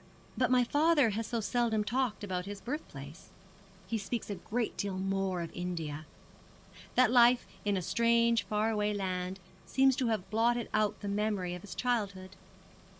But my father has so seldom talked about his birthplace. He speaks a great deal more of India. That life in a strange far away land seems to have blotted out the memory of his childhood.